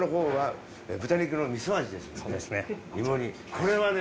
これはね